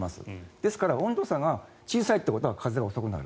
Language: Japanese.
ですから温度差が小さいということは風が遅くなる。